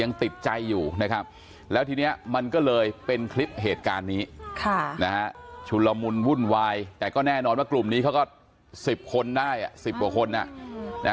ยังติดใจอยู่นะครับแล้วทีนี้มันก็เลยเป็นคลิปเหตุการณ์นี้ค่ะนะฮะชุนละมุนวุ่นวายแต่ก็แน่นอนว่ากลุ่มนี้เขาก็๑๐คนได้อ่ะสิบกว่าคนอ่ะนะ